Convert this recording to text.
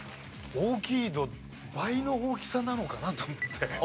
大きいド倍の大きさなのかなと思って。